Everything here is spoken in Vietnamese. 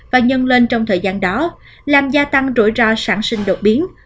và nhân lên trong thời gian đó làm gia tăng rủi ro sản sinh đột biến